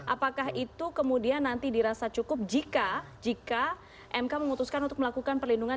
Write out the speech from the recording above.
apakah itu kemudian nanti dirasa cukup jika mk memutuskan untuk melakukan perlindungan